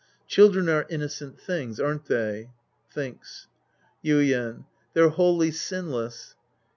Children are innocent tilings, aren't they ? {Thinks.") Yuien. They're wholly sinless.